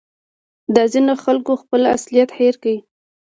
دا ځینو خلکو خپل اصلیت هېر کړی